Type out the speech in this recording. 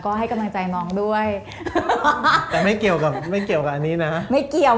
ก็ให้กำลังใจน้องด้วยแต่ไม่เกี่ยวกับไม่เกี่ยวกับอันนี้นะไม่เกี่ยว